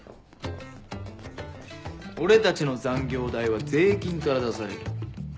俺たちの残業代は税金から出される。